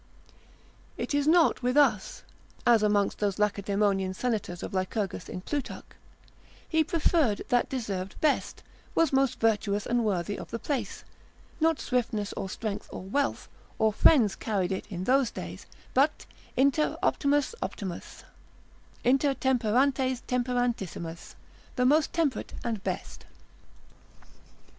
It is not with us, as amongst those Lacedaemonian senators of Lycurgus in Plutarch, He preferred that deserved best, was most virtuous and worthy of the place, not swiftness, or strength, or wealth, or friends carried it in those days: but inter optimos optimus, inter temperantes temperantissimus, the most temperate and best.